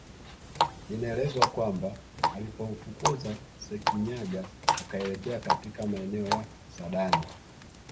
Inaelezwa kwamba alipomfukuzwa Sekinyaga akaelekea katika maeneo ya Sadani